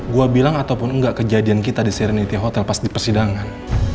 gue bilang ataupun enggak kejadian kita di sereniity hotel pas di persidangan